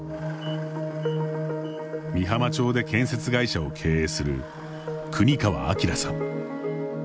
美浜町で建設会社を経営する国川晃さん。